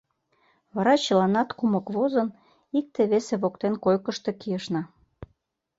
Вара чыланат кумык возын, икте-весе воктен койкышто кийышна.